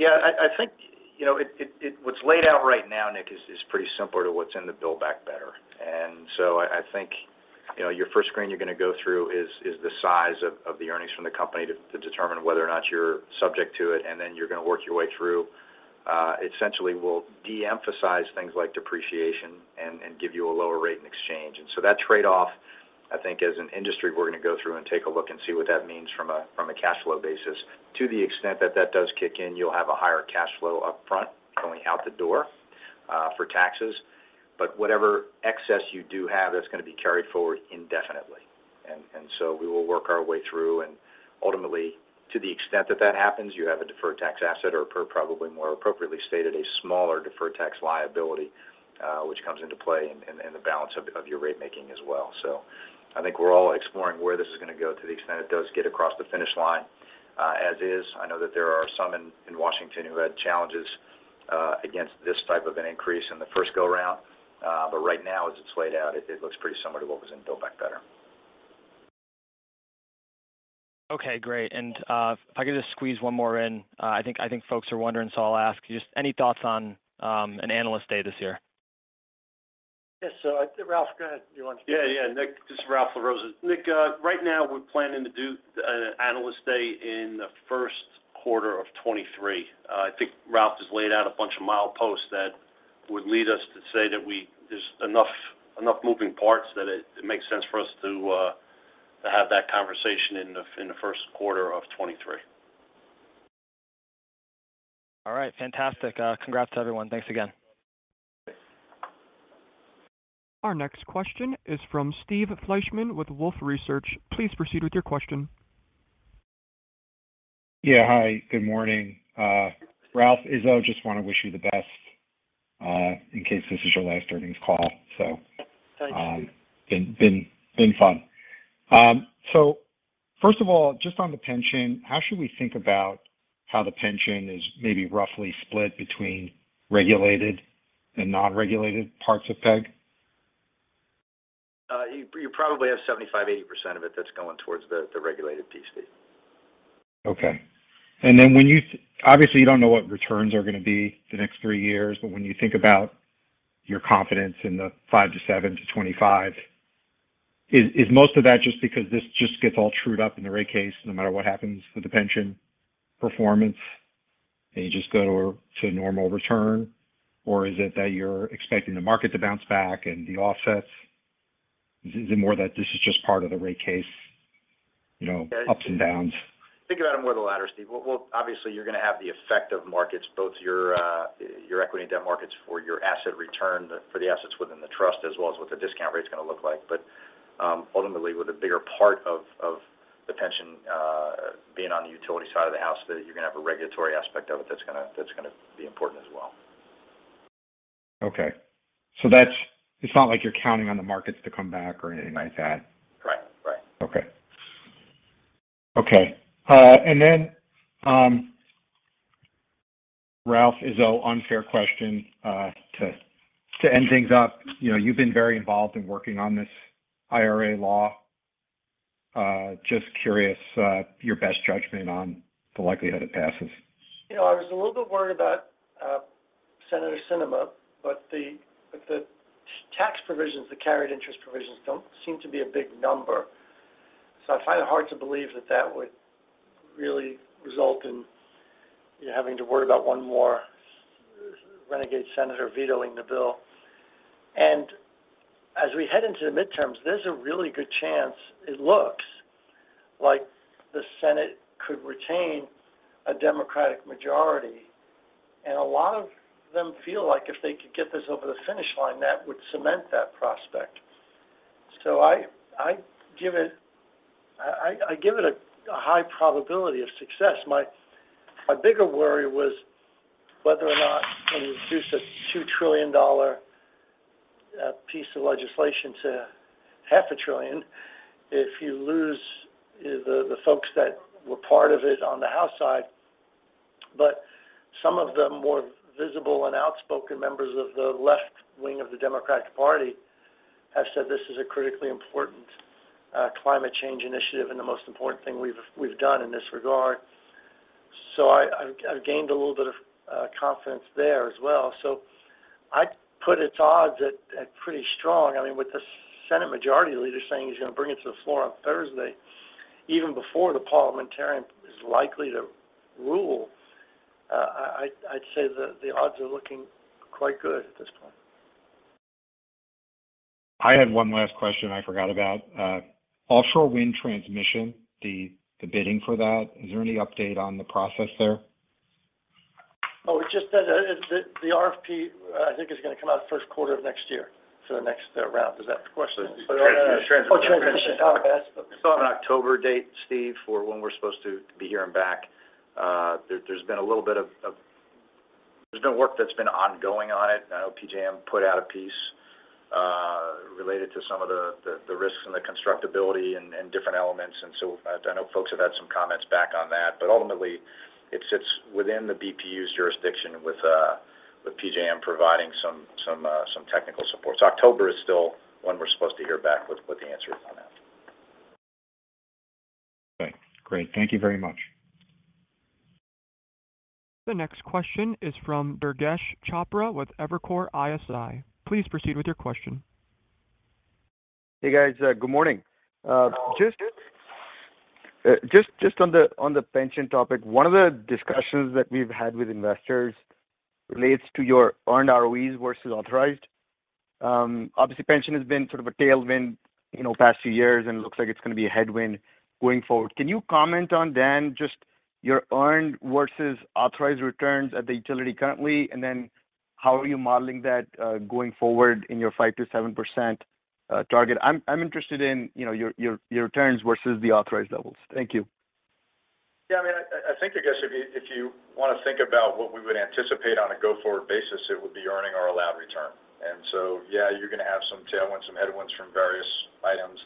I think, you know, what's laid out right now, Nick, is pretty similar to what's in the Build Back Better. I think, you know, your first screen you're going to go through is the size of the earnings from the company to determine whether or not you're subject to it. Then you're going to work your way through essentially will de-emphasize things like depreciation and give you a lower rate in exchange. That trade-off, I think, as an industry, we're going to go through and take a look and see what that means from a cash flow basis. To the extent that that does kick in, you'll have a higher cash flow up front going out the door for taxes. Whatever excess you do have, that's going to be carried forward indefinitely. We will work our way through. Ultimately, to the extent that that happens, you have a deferred tax asset or probably more appropriately stated, a smaller deferred tax liability, which comes into play in the balance of your rate making as well. I think we're all exploring where this is going to go to the extent it does get across the finish line. As is, I know that there are some in Washington who had challenges against this type of an increase in the first go-round. Right now, as it's laid out, it looks pretty similar to what was in Build Back Better. Okay, great. If I could just squeeze one more in. I think folks are wondering, so I'll ask. Just any thoughts on an Analyst Day this year? Yes. Ralph, go ahead. Yeah. Yeah, Nick. This is Ralph LaRossa. Nick, right now we're planning to do Analyst Day in the first quarter of 2023. I think Ralph has laid out a bunch of mileposts that would lead us to say that there's enough moving parts that it makes sense for us to have that conversation in the first quarter of 2023. All right. Fantastic. Congrats everyone. Thanks again. Our next question is from Steve Fleishman with Wolfe Research. Please proceed with your question. Yeah. Hi, good morning. Ralph Izzo, just want to wish you the best, in case this is your last earnings call. Thanks, Steve. Been fun. First of all, just on the pension, how should we think about how the pension is maybe roughly split between regulated and non-regulated parts of PSEG? You probably have 75%-80% of it that's going towards the regulated piece, Steve. Okay. When you obviously, you don't know what returns are gonna be the next three years, but when you think about your confidence in the five to seven to 25, is most of that just because this just gets all trued up in the rate case no matter what happens with the pension performance, and you just go to normal return? Or is it that you're expecting the market to bounce back and the offsets? Is it more that this is just part of the rate case, you know, ups and downs? Think about it more the latter, Steve. We'll obviously, you're gonna have the effect of markets, both your equity and debt markets for your asset return for the assets within the trust, as well as what the discount rate's gonna look like. Ultimately, with a bigger part of the pension being on the utility side of the house, you're gonna have a regulatory aspect of it that's gonna be important as well. It's not like you're counting on the markets to come back or anything like that? Right. Right. Ralph Izzo, unfair question to end things up. You know, you've been very involved in working on this IRA law. Just curious, your best judgment on the likelihood it passes. You know, I was a little bit worried about Senator Sinema, but the tax provisions, the carried interest provisions don't seem to be a big number. I find it hard to believe that would really result in you having to worry about one more renegade senator vetoing the bill. As we head into the midterms, there's a really good chance it looks like the Senate could retain a Democratic majority. A lot of them feel like if they could get this over the finish line, that would cement that prospect. I give it a high probability of success. My bigger worry was whether or not when you reduce a $2 trillion piece of legislation to half a trillion, if you lose the folks that were part of it on the House side but, some of the more visible and outspoken members of the left wing of the Democratic Party have said this is a critically important climate change initiative and the most important thing we've done in this regard. I've gained a little bit of confidence there as well. I'd put its odds at pretty strong. I mean, with the Senate majority leader saying he's going to bring it to the floor on Thursday, even before the parliamentarian is likely to rule, I'd say the odds are looking quite good at this point. I had one last question I forgot about. Offshore wind transmission, the bidding for that. Is there any update on the process there? Oh, it just says that the RFP, I think, is going to come out first quarter of next year for the next round. Is that the question? Transmission. Oh, transmission. Okay. We still have an October date, Steve, for when we're supposed to be hearing back. There's been work that's been ongoing on it. I know PJM put out a piece related to some of the risks and the constructability and different elements. I know folks have had some comments back on that. Ultimately, it sits within the BPU's jurisdiction with PJM providing some technical support. October is still when we're supposed to hear back with the answers on that. Okay, great. Thank you very much. The next question is from Durgesh Chopra with Evercore ISI. Please proceed with your question. Hey, guys. Good morning. Hello. Just on the pension topic. One of the discussions that we've had with investors relates to your earned ROEs versus authorized. Obviously pension has been sort of a tailwind, you know, past few years, and it looks like it's going to be a headwind going forward. Can you comment on, Dan, just your earned versus authorized returns at the utility currently? And then how are you modeling that going forward in your 5%-7% target? I'm interested in, you know, your returns versus the authorized levels. Thank you. Yeah. I mean, I think, I guess, if you want to think about what we would anticipate on a go-forward basis, it would be earning our allowed return. Yeah, you're going to have some tailwinds, some headwinds from various items.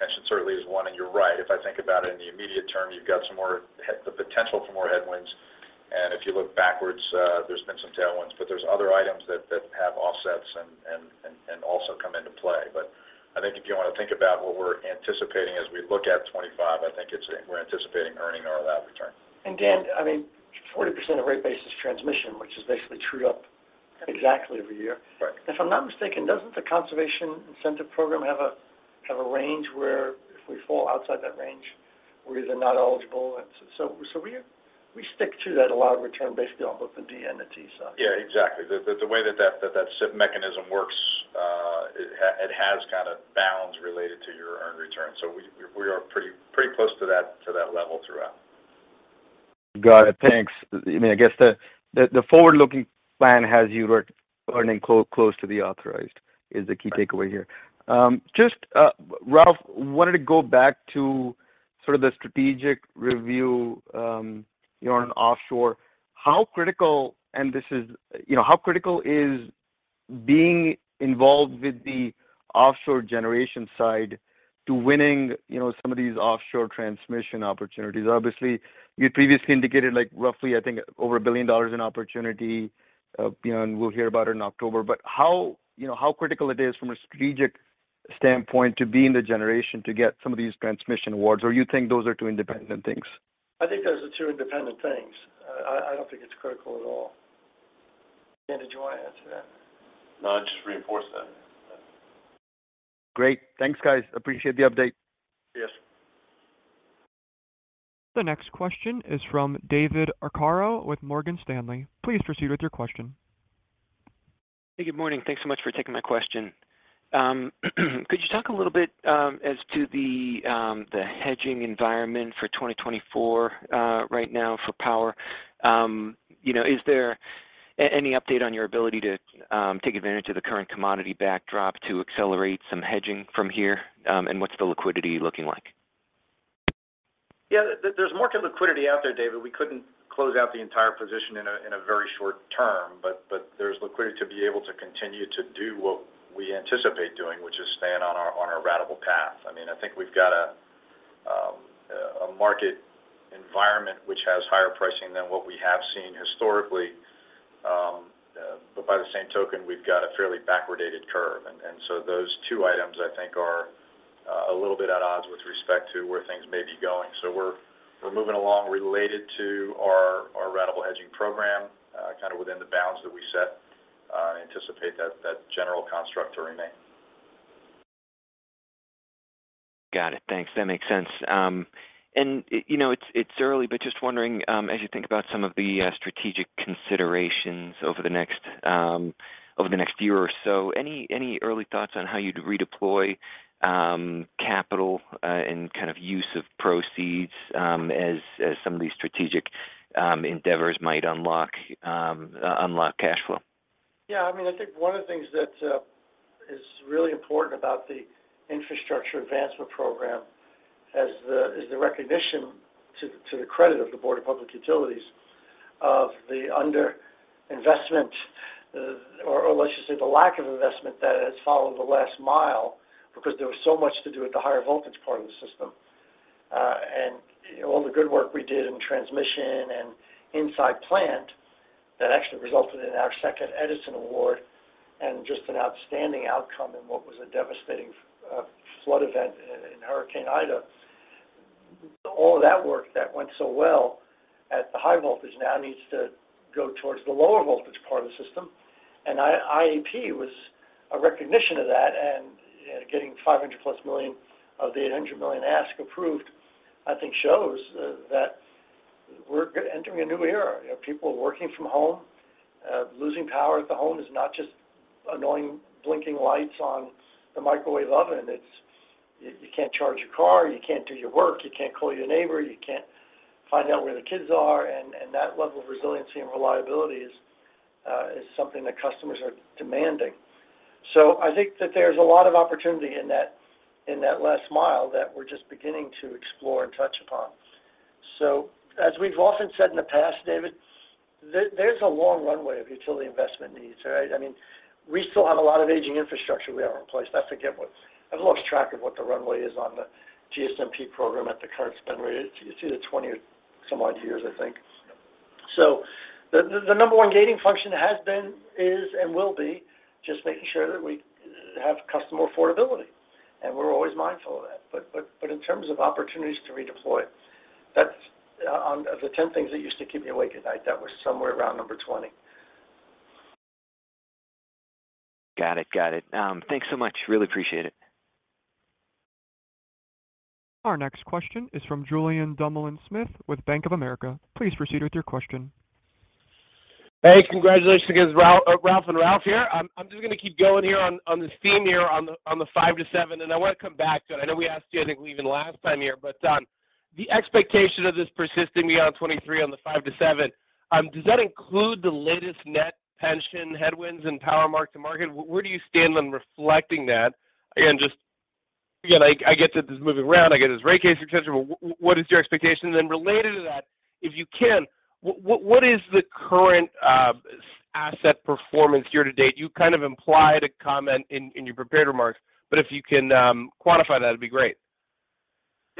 Pension certainly is one. You're right. If I think about it in the immediate term, you've got the potential for more headwinds. If you look backwards, there's been some tailwinds. There's other items that have offsets and also come into play. I think if you want to think about what we're anticipating as we look at 25, I think it's we're anticipating earning our allowed return. Dan, I mean, 40% of rate base is transmission, which is basically true up exactly every year. Right. If I'm not mistaken, doesn't the conservation incentive program have a range where if we fall outside that range, we're either not eligible? We stick to that allowed return basically on both the D and the T side. Yeah, exactly. The way that CIP mechanism works, it has kind of bounds related to your earned return. We are pretty close to that level throughout. Got it. Thanks. I mean, I guess the forward-looking plan has you earning close to the authorized is the key takeaway here. Just, Ralph, wanted to go back to sort of the strategic review, you know, on offshore. How critical, and this is, you know, how critical is being involved with the offshore generation side to winning, you know, some of these offshore transmission opportunities? Obviously, you previously indicated like roughly, I think over $1 billion in opportunity. You know, and we'll hear about it in October. How, you know, how critical it is from a strategic standpoint to be in the generation to get some of these transmission awards, or you think those are two independent things? I think those are two independent things. I don't think it's critical at all. Dan, did you want to answer that? No, I'd just reinforce that. Great. Thanks, guys. Appreciate the update. Yes. The next question is from David Arcaro with Morgan Stanley. Please proceed with your question. Hey, good morning. Thanks so much for taking my question. Could you talk a little bit as to the hedging environment for 2024 right now for power? You know, is there any update on your ability to take advantage of the current commodity backdrop to accelerate some hedging from here? What's the liquidity looking like? Yeah, there's market liquidity out there, David. We couldn't close out the entire position in a very short term, but there's liquidity to be able to continue to do what we anticipate doing, which is staying on our ratable path. I mean, I think we've got a market environment which has higher pricing than what we have seen historically. By the same token, we've got a fairly backwardation curve. Those two items, I think are a little bit at odds with respect to where things may be going. We're moving along related to our ratable hedging program, kind of within the bounds that we set. I anticipate that general construct to remain. Got it. Thanks. That makes sense. You know, it's early, but just wondering, as you think about some of the strategic considerations over the next year or so, any early thoughts on how you'd redeploy capital, and kind of use of proceeds, as some of these strategic endeavors might unlock cash flow? Yeah, I mean, I think one of the things that is really important about the Infrastructure Advancement Program is the recognition to the credit of the Board of Public Utilities of the under-investment, or let's just say the lack of investment that has followed the last mile because there was so much to do with the higher voltage part of the system. All the good work we did in transmission and inside plant that actually resulted in our second Edison Award and just an outstanding outcome in what was a devastating flood event in Hurricane Ida. All of that work that went so well at the high voltage now needs to go towards the lower voltage part of the system. IAP was a recognition of that and getting $500+ million of the $800 million ask approved, I think shows that we're entering a new era. You have people working from home. Losing power at the home is not just annoying blinking lights on the microwave oven. It's you can't charge your car, you can't do your work, you can't call your neighbor, you can't find out where the kids are. That level of resiliency and reliability is something that customers are demanding. I think that there's a lot of opportunity in that, in that last mile that we're just beginning to explore and touch upon. As we've often said in the past, David, there's a long runway of utility investment needs, right? I mean, we still have a lot of aging infrastructure we haven't replaced. I think it was. I've lost track of what the runway is on the GSMP program at the current spend rate. It's either 20 or some odd years, I think. The number one gating function has been, is, and will be just making sure that we have customer affordability, and we're always mindful of that. In terms of opportunities to redeploy, that's on the 10 things that used to keep me awake at night, that was somewhere around number 20. Got it. Thanks so much. Really appreciate it. Our next question is from Julien Dumoulin-Smith with Bank of America. Please proceed with your question. Hey, congratulations again. Ralph and Ralph here. I'm just gonna keep going here on this theme here on the five to seven, and I want to come back to it. I know we asked you, I think even last time here, but the expectation of this persisting beyond 2023 on the five to seven, does that include the latest net pension headwinds and power mark-to-market? Where do you stand on reflecting that? Again, I get that this is moving around. I get it's rate case sensitive. What is your expectation? Related to that, if you can, what is the current asset performance year to date? You kind of implied a comment in your prepared remarks, but if you can quantify that, it'd be great.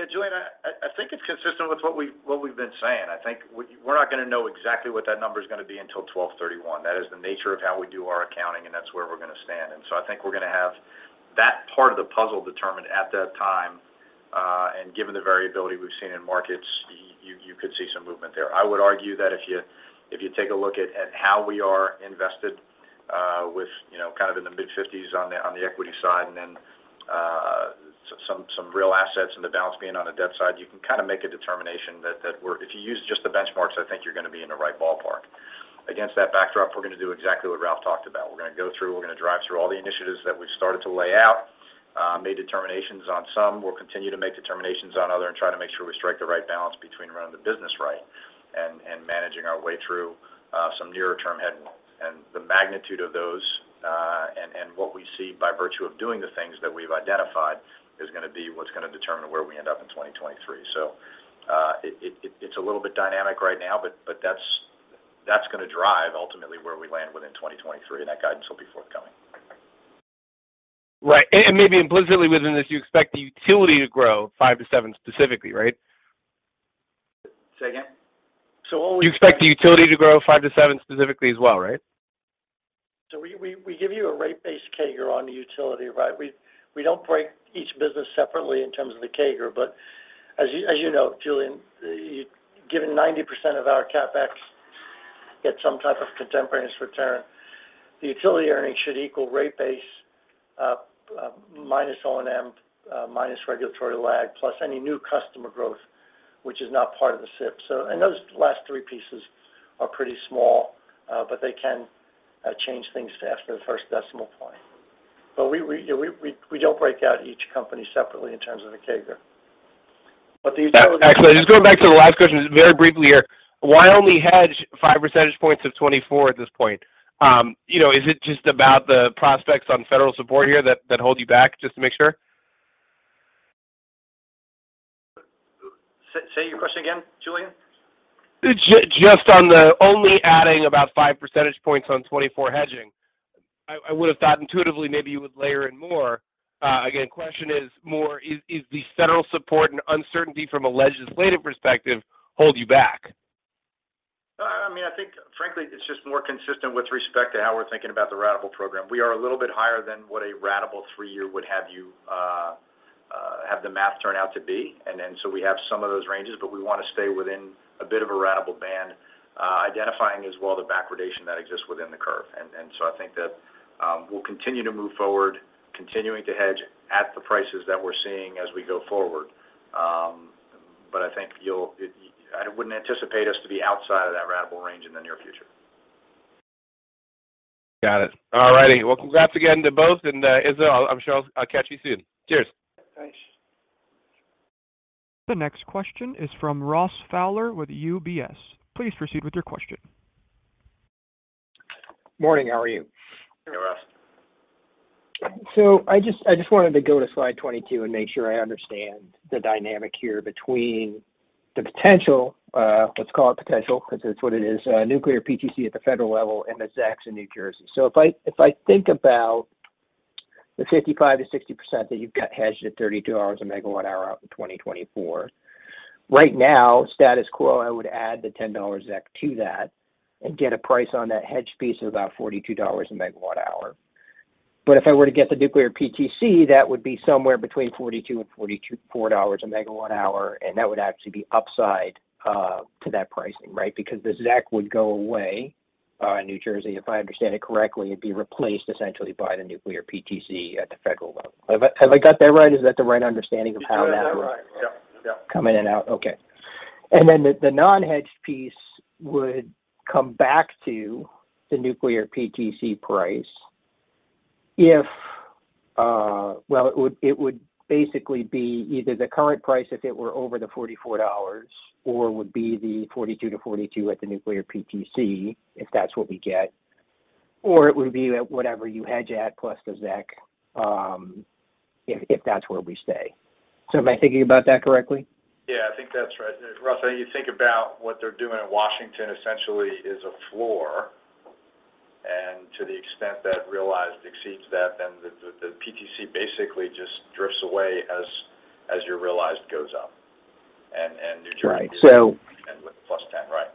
Yeah, Julien, I think it's consistent with what we've been saying. I think we're not gonna know exactly what that number is gonna be until twelve thirty-one. That is the nature of how we do our accounting, and that's where we're gonna stand. I think we're gonna have that part of the puzzle determined at that time, and given the variability we've seen in markets, you could see some movement there. I would argue that if you take a look at how we are invested, with, you know, kind of in the mid-50s on the equity side and then some real assets and the balance being on the debt side, you can kind of make a determination that we're, if you use just the benchmarks, I think you're gonna be in the right ballpark. Against that backdrop, we're gonna do exactly what Ralph talked about. We're gonna go through, we're gonna drive through all the initiatives that we've started to lay out, made determinations on some. We'll continue to make determinations on other and try to make sure we strike the right balance between running the business right and managing our way through some nearer-term headwinds. The magnitude of those, and what we see by virtue of doing the things that we've identified is gonna be what's gonna determine where we end up in 2023. It's a little bit dynamic right now, but that's gonna drive ultimately where we land within 2023, and that guidance will be forthcoming. Right. And maybe implicitly within this, you expect the utility to grow 5%-7% specifically, right? Say again. So all we- You expect the utility to grow 5%-7% specifically as well, right? We give you a rate base CAGR on the utility, right? We don't break each business separately in terms of the CAGR. But as you know, Julien, given 90% of our CapEx gets some type of contemporaneous return. The utility earnings should equal rate base minus O&M minus regulatory lag, plus any new customer growth, which is not part of the SIP. And those last three pieces are pretty small, but they can change things after the first decimal point. But we don't break out each company separately in terms of the CAGR. But these Actually, just going back to the last question very briefly here. Why only hedge five percentage points of 24 at this point? You know, is it just about the prospects on federal support here that hold you back, just to make sure? Say your question again, Julien. Just on the only adding about five percentage points on 2024 hedging. I would have thought intuitively maybe you would layer in more. Again, question is, more or less, is the federal support and uncertainty from a legislative perspective hold you back? I mean, I think frankly, it's just more consistent with respect to how we're thinking about the ratable program. We are a little bit higher than what a ratable three-year would have you have the math turn out to be. We have some of those ranges, but we want to stay within a bit of a ratable band, identifying as well the backwardation that exists within the curve. I think that we'll continue to move forward, continuing to hedge at the prices that we're seeing as we go forward. I think you'll, I wouldn't anticipate us to be outside of that ratable range in the near future. Got it. All righty. Well, congrats again to both. Izzo, I'm sure I'll catch you soon. Cheers. Thanks. The next question is from Ross Fowler with UBS. Please proceed with your question. Morning, how are you? Hey, Ross. I just wanted to go to slide 22 and make sure I understand the dynamic here between the potential, let's call it potential because that's what it is, nuclear PTC at the federal level and the ZECs in New Jersey. If I think about the 55%-60% that you've got hedged at $32/MWh out in 2024. Right now, status quo, I would add the $10 ZEC to that and get a price on that hedge piece of about $42/MWh. If I were to get the nuclear PTC, that would be somewhere between $42 and $44/MWh, and that would actually be upside to that pricing, right? Because the ZEC would go away in New Jersey, if I understand it correctly. It'd be replaced essentially by the nuclear PTC at the federal level. Have I got that right? Is that the right understanding? You got that right. Yep. Yep. Come in and out? Okay. Then the non-hedged piece would come back to the nuclear PTC price if. Well, it would basically be either the current price if it were over the $44 or would be the $42-44 at the nuclear PTC, if that's what we get. It would be whatever you hedged at plus the ZEC, if that's where we stay. Am I thinking about that correctly? Yeah, I think that's right. Ross, when you think about what they're doing in Washington essentially is a floor. To the extent that realized exceeds that, then the PTC basically just drifts away as your realized goes up. New Jersey- Right. Ends with +10, right?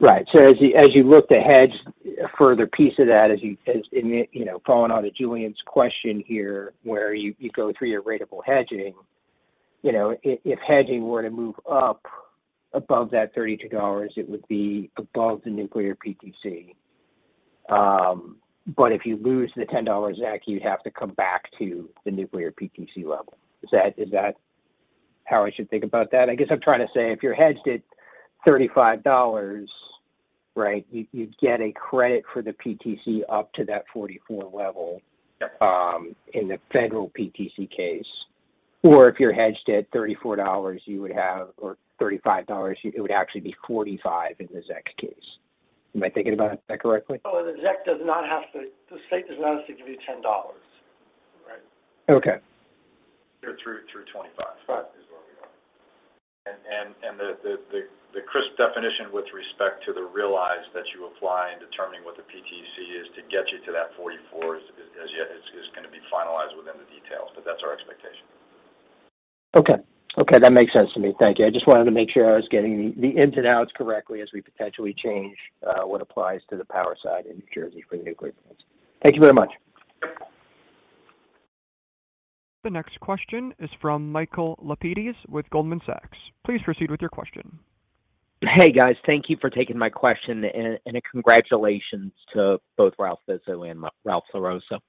Right. As you look to hedge, a further piece of that, you know, following on to Julien's question here, where you go through your ratable hedging. You know, if hedging were to move up above that $32, it would be above the nuclear PTC. But if you lose the $10 ZEC, you'd have to come back to the nuclear PTC level. Is that how I should think about that? I guess I'm trying to say if you're hedged at $35, right, you'd get a credit for the PTC up to that $44 level. Yep In the federal PTC case. If you're hedged at $34, or $35, it would actually be $45 in the ZEC case. Am I thinking about that correctly? Well, the state does not have to give you $10. Right? Okay. Through 2025. Five is where we are. The crisp definition with respect to the realization that you apply in determining what the PTC is to get you to that 44 is gonna be finalized within the details, but that's our expectation. Okay. Okay, that makes sense to me. Thank you. I just wanted to make sure I was getting the ins and outs correctly as we potentially change what applies to the power side in New Jersey for the nuclear plants. Thank you very much. The next question is from Michael Lapides with Goldman Sachs. Please proceed with your question. Hey, guys. Thank you for taking my question and congratulations to both Ralph Izzo and Ralph LaRossa.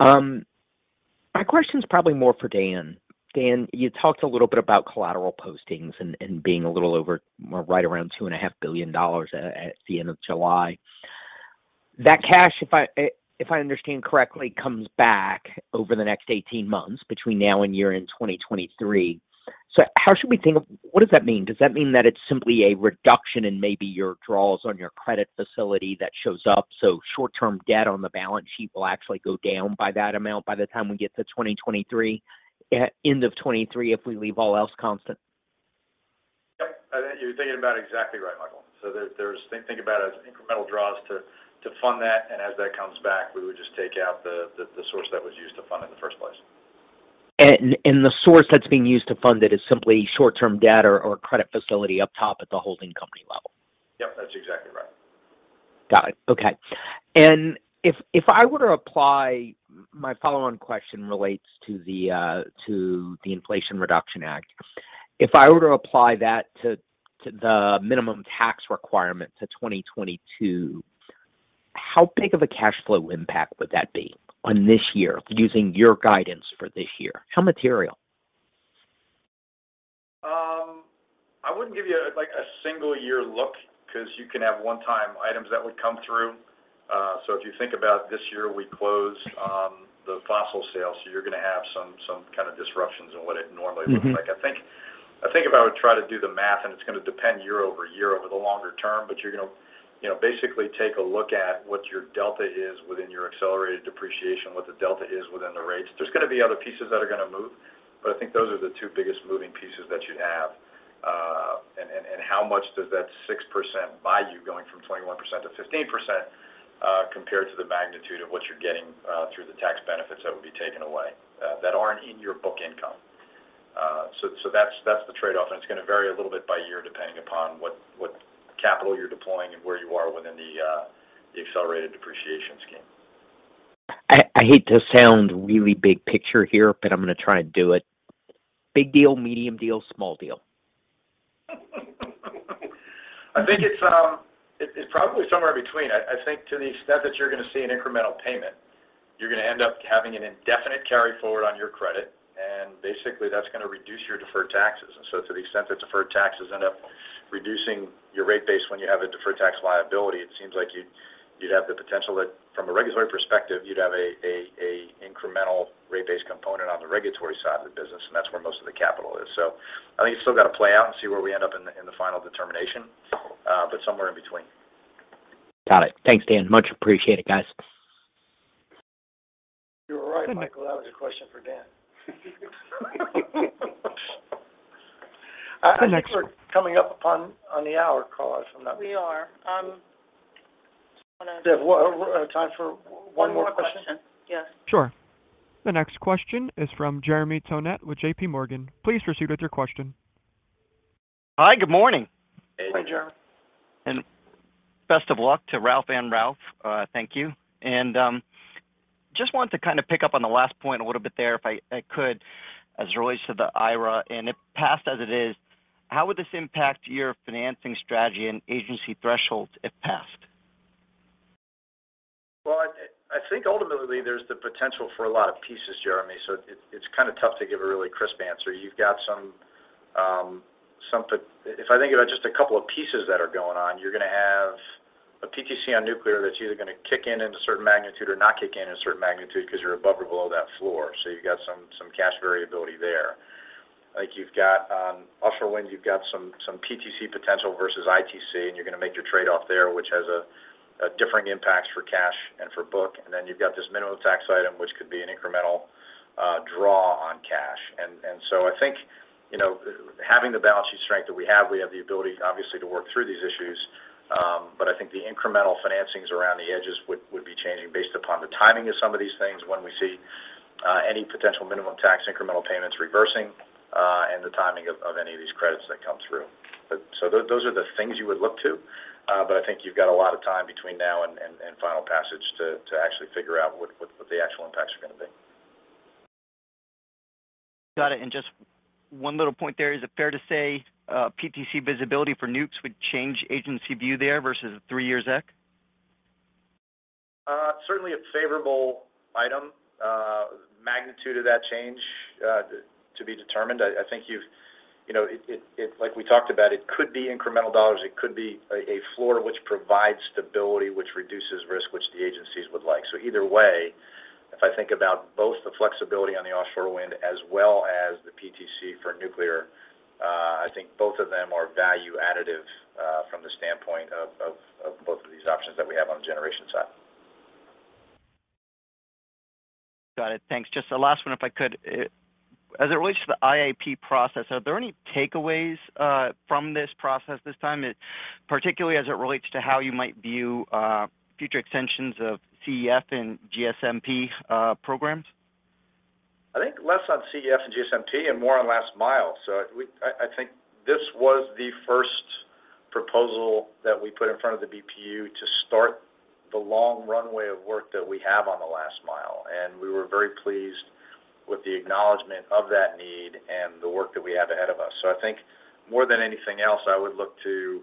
My question is probably more for Dan. Dan, you talked a little bit about collateral postings and being a little over or right around $2.5 billion at the end of July. That cash, if I understand correctly, comes back over the next 18 months between now and year-end 2023. How should we think? What does that mean? Does that mean that it's simply a reduction in maybe your draws on your credit facility that shows up, so short-term debt on the balance sheet will actually go down by that amount by the time we get to 2023, end of 2023 if we leave all else constant? Yep. I think you're thinking about it exactly right, Michael. Think about it as incremental draws to fund that, and as that comes back, we would just take out the source that was used to fund it in the first place. The source that's being used to fund it is simply short-term debt or credit facility up top at the holding company level. Yep, that's exactly right. Got it. Okay. My follow-on question relates to the Inflation Reduction Act. If I were to apply that to the minimum tax requirement to 2022, how big of a cash flow impact would that be on this year using your guidance for this year? How material? I wouldn't give you, like, a single year look because you can have one-time items that would come through. If you think about this year, we closed the fossil sales, so you're gonna have some kind of disruptions in what it normally looks like. Mm-hmm. I think if I would try to do the math, and it's gonna depend year over year over the longer term, but you're gonna, you know, basically take a look at what your delta is within your accelerated depreciation, what the delta is within the rates. There's gonna be other pieces that are gonna move, but I think those are the two biggest moving pieces that you'd have. How much does that 6% buy you going from 21% to 15%, compared to the magnitude of what you're getting through the tax benefits that would be taken away that aren't in your book income? So that's the trade-off, and it's gonna vary a little bit by year depending upon what capital you're deploying and where you are within the accelerated depreciation scheme. I hate to sound really big picture here, but I'm gonna try and do it. Big deal, medium deal, small deal? I think it's probably somewhere in between. I think to the extent that you're gonna see an incremental payment, you're gonna end up having an indefinite carryforward on your credit, and basically that's gonna reduce your deferred taxes. To the extent that deferred taxes end up reducing your rate base when you have a deferred tax liability, it seems like you'd have the potential that from a regulatory perspective, you'd have an incremental rate base component on the regulatory side of the business, and that's where most of the capital is. I think it's still gotta play out and see where we end up in the final determination, but somewhere in between. Got it. Thanks, Dan. Much appreciated, guys. You were right, Michael. That was a question for Dan. The next- I think we're coming up on the hour call. We are. Do we have time for one more question? One more question. Yes. Sure. The next question is from Jeremy Tonet with JPMorgan. Please proceed with your question. Hi, good morning. Hey, Jeremy. Best of luck to Ralph and Ralph. Thank you. Just wanted to kind of pick up on the last point a little bit there, if I could, as it relates to the IRA. It passed as it is, how would this impact your financing strategy and agency thresholds if passed? Well, I think ultimately there's the potential for a lot of pieces, Jeremy, so it's kinda tough to give a really crisp answer. You've got some. If I think about just a couple of pieces that are going on, you're gonna have a PTC on nuclear that's either gonna kick in in a certain magnitude or not kick in in a certain magnitude because you're above or below that floor. You've got some cash variability there. I think you've got offshore wind, you've got some PTC potential versus ITC, and you're gonna make your trade-off there, which has a different impact for cash and for book. You've got this minimum tax item, which could be an incremental draw on cash. I think, you know, having the balance sheet strength that we have, we have the ability obviously to work through these issues. I think the incremental financings around the edges would be changing based upon the timing of some of these things when we see any potential minimum tax incremental payments reversing and the timing of any of these credits that come through. Those are the things you would look to, but I think you've got a lot of time between now and final passage to actually figure out what the actual impacts are gonna be. Got it. Just one little point there. Is it fair to say, PTC visibility for nukes would change agency view there versus a three-year ZEC? Certainly a favorable item. Magnitude of that change to be determined. I think you've you know, it like we talked about, it could be incremental dollars. It could be a floor which provides stability, which reduces risk, which the agencies would like. Either way, if I think about both the flexibility on the offshore wind as well as the PTC for nuclear, I think both of them are value additive, from the standpoint of both of these options that we have on the generation side. Got it. Thanks. Just the last one, if I could. As it relates to the IAP process, are there any takeaways from this process this time, particularly as it relates to how you might view future extensions of CEF and GSMP programs? I think less on CEF and GSMP and more on last mile. I think this was the first proposal that we put in front of the BPU to start the long runway of work that we have on the last mile, and we were very pleased with the acknowledgment of that need and the work that we have ahead of us. I think more than anything else, I would look to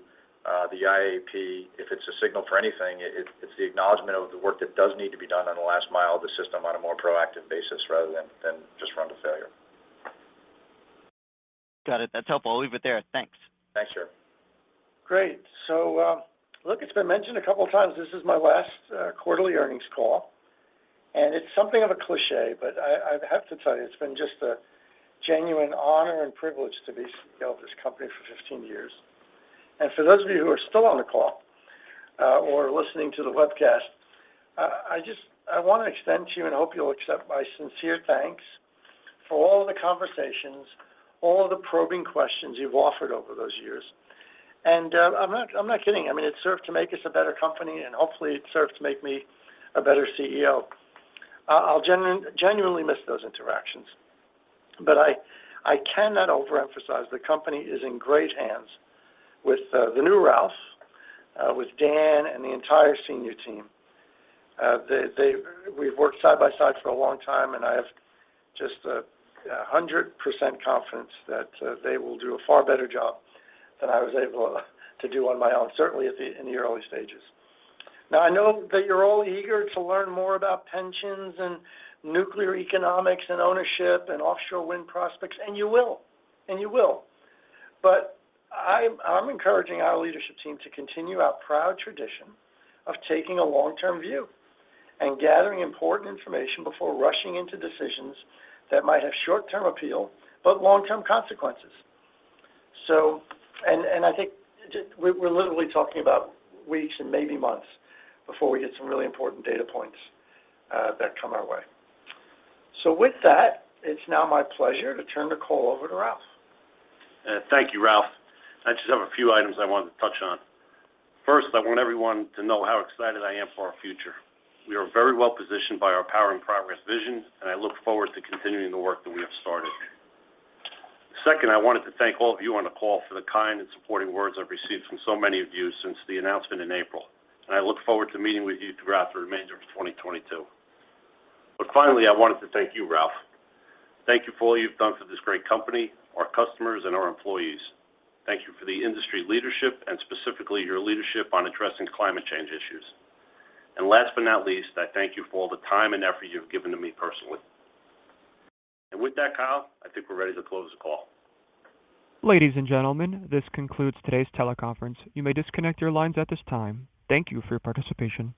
the IAP. If it's a signal for anything, it's the acknowledgment of the work that does need to be done on the last mile of the system on a more proactive basis rather than than just run to failure. Got it. That's helpful. I'll leave it there. Thanks. Thanks, Jeremy. Great. Look, it's been mentioned a couple of times, this is my last quarterly earnings call. It's something of a cliché, but I have to tell you, it's been just a genuine honor and privilege to be CEO of this company for 15 years. For those of you who are still on the call, or listening to the webcast, I want to extend to you and hope you'll accept my sincere thanks for all of the conversations, all of the probing questions you've offered over those years. I'm not kidding. I mean, it's served to make us a better company, and hopefully it's served to make me a better CEO. I'll genuinely miss those interactions. I cannot overemphasize the company is in great hands with the new Ralph with Dan and the entire senior team. We've worked side by side for a long time, and I have just 100% confidence that they will do a far better job than I was able to do on my own, certainly in the early stages. Now, I know that you're all eager to learn more about pensions and nuclear economics and ownership and offshore wind prospects, and you will. You will. I'm encouraging our leadership team to continue our proud tradition of taking a long-term view and gathering important information before rushing into decisions that might have short-term appeal but long-term consequences. I think just we're literally talking about weeks and maybe months before we get some really important data points that come our way. With that, it's now my pleasure to turn the call over to Ralph. Thank you, Ralph. I just have a few items I wanted to touch on. First, I want everyone to know how excited I am for our future. We are very well positioned by our Powering Progress vision, and I look forward to continuing the work that we have started. Second, I wanted to thank all of you on the call for the kind and supporting words I've received from so many of you since the announcement in April. I look forward to meeting with you throughout the remainder of 2022. Finally, I wanted to thank you, Ralph. Thank you for all you've done for this great company, our customers, and our employees. Thank you for the industry leadership and specifically your leadership on addressing climate change issues. Last but not least, I thank you for all the time and effort you've given to me personally. With that, Kyle, I think we're ready to close the call. Ladies and gentlemen, this concludes today's teleconference. You may disconnect your lines at this time. Thank you for your participation.